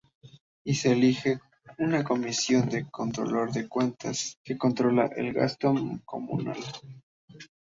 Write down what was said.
Y se elige una Comisión de Contralor de Cuentas, que controla el gasto comunal.